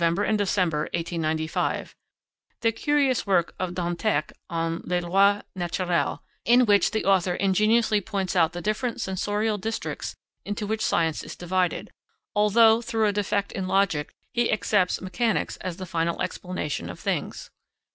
and Dec. 1895); the curious work of Dantec on les Lois Naturelles, in which the author ingeniously points out the different sensorial districts into which science is divided, although, through a defect in logic, he accepts mechanics as the final explanation of things.